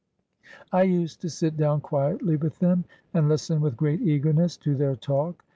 I used to sit down quietly with them and listen with great eagerness to their talk.